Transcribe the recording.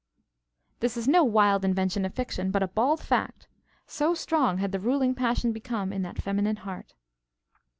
This is no wild invention of fiction, but a bald fact. So strong had the ruling passion become in that feminine heart.